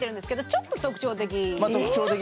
ちょっと特徴的。